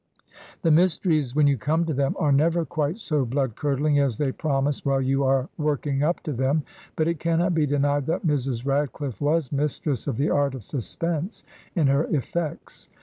The mysteries when you come to them are never quite so blood curdling as they promise while you are work ing up to them; but it cannot be denied that Mrs. Rad cliffe was mistress of the art of suspense in her effects.